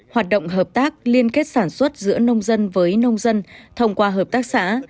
hoạt động hợp tác liên kết sản xuất giữa nông dân với nông dân thông qua hợp tác xã